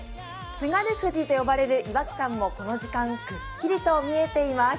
津軽富士と言われる岩木山もこの時間くっりきと見えています。